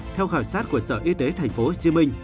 theo khảo sát của sở y tế tp hcm